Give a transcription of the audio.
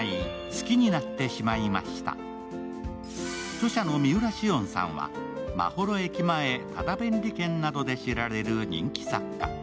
著者の三浦しをんさんは「まほろ駅前多田便利軒」などで知られる人気作家。